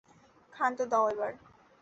ক্ষান্ত দাও এবার।